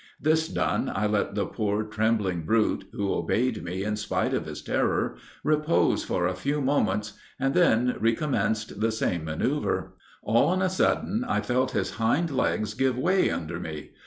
This done, I let the poor, trembling brute, who obeyed me in spite of his terror, repose for a few moments, and then recommenced the same manoeuver. All on a sudden, I felt his hind legs give way under me.